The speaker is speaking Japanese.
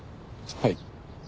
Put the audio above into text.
はい。